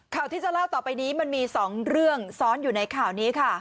ข่าวที่จะเล่าต่อไปนี้มันมี๒เรื่องซ้อนอยู่ในข่าวนี้ค่ะ